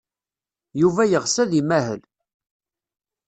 Yuba yeɣs ad imahel.